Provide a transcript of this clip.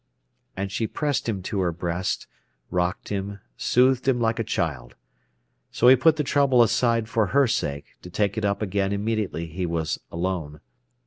And she pressed him to her breast, rocked him, soothed him like a child. So he put the trouble aside for her sake, to take it up again immediately he was alone.